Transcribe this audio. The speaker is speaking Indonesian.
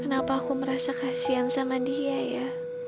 kenapa aku merasa kasian sama dia ya